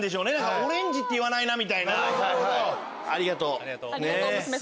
オレンジって言わないみたいな。